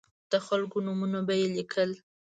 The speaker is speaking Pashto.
د خلکو نومونه به یې لیکل.